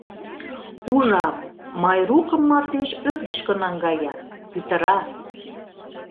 Ужам, Майрукым мардеж ӧрдыжкӧ наҥгая, пӱтыра.